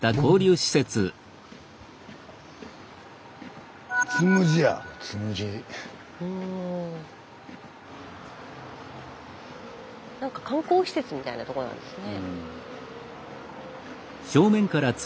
スタジオ観光施設みたいなとこなんですね。